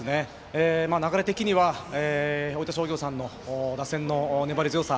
流れ的には大分商業さんの打線の粘り強さ。